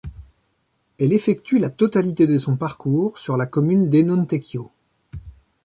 Elle effectue la totalité de son parcours sur la commune d'Enontekiö.